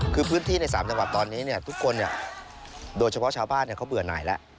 คือพื้นที่ใน๓จังหวัดตอนนี้ทุกคนโดยเฉพาะชาวบ้านเขาเบื่อหน่ายแล้ว